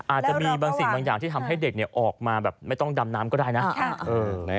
อาจจะมีบางสิ่งบางอย่างที่ทำให้เด็กออกมาแบบไม่ต้องดำน้ำก็ได้นะ